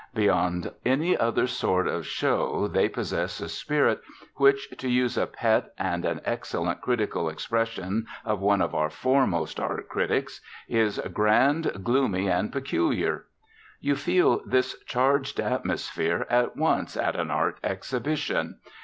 Beyond any other sort of show they possess a spirit which (to use a pet and an excellent critical expression of one of our foremost art critics) is "grand, gloomy, and peculiar." You feel this charged atmosphere at once at an art exhibition.